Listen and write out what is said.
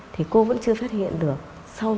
thì cô vẫn chưa phát hiện được em là bệnh trầm cảm